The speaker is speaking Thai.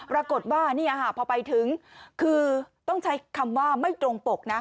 ปรากฏว่าพอไปถึงคือต้องใช้คำว่าไม่ตรงปกนะ